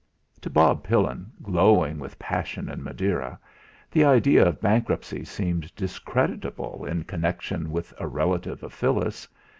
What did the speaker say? To Bob Pillin, glowing with passion and Madeira, the idea of bankruptcy seemed discreditable in connection with a relative of Phyllis.